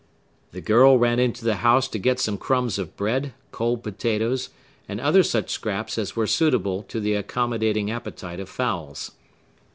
The girl ran into the house to get some crumbs of bread, cold potatoes, and other such scraps as were suitable to the accommodating appetite of fowls.